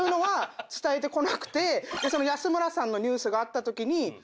安村さんのニュースがあったときに。